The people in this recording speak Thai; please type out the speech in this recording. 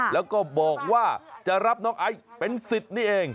แล้วก็บอกว่าจะรับน้องไอซ์เป็นสิทธิ์นี่เอง